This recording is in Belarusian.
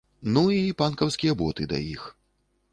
Ну, і панкаўскія боты да іх.